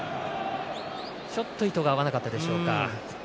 ちょっと意図が合わなかったでしょうか。